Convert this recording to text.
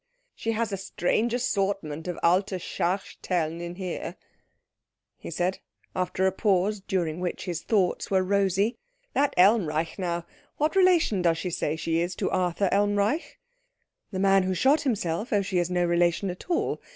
"She has a strange assortment of alte Schachteln here," he said, after a pause during which his thoughts were rosy. "That Elmreich, now. What relation does she say she is to Arthur Elmreich?" "The man who shot himself? Oh, she is no relation at all.